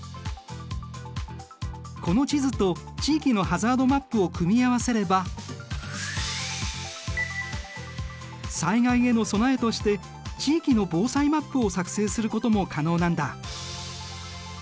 この地図と地域のハザードマップを組み合わせれば災害への備えとして地域の防災マップを作製することも可能なんだ。